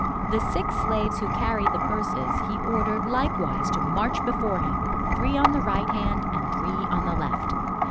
The six slaves who carried the purses he ordered likewise to march before him, three on the right hand and three on the left.